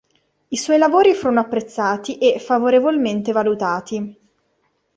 I suoi lavori furono apprezzati e favorevolmente valutati.